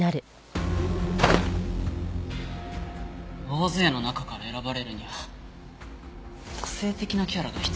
大勢の中から選ばれるには個性的なキャラが必要なんだ。